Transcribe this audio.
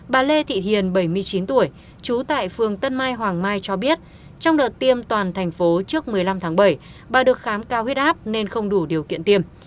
bà lê thị hiền bảy mươi chín tuổi trú tại phường tân mai hoàng mai cho biết trong đợt tiêm toàn thành phố trước một mươi năm tháng bảy bà được khám cao huyết áp nên không đủ điều kiện tiêm